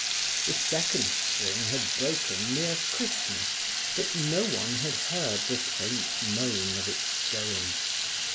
The second string had broken near Christmas, but no one had heard the faint moan of its going.